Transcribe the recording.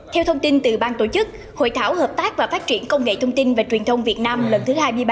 theo thông tin từ bang tổ chức hội thảo hợp tác và phát triển công nghệ thông tin và truyền thông việt nam lần thứ hai mươi ba